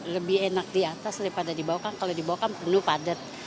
lebih enak di atas daripada di bawah kan kalau di bawah kan perlu padat